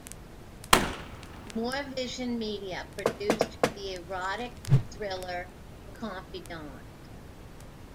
Moore Vision Media produced the erotic thriller "The Confidant".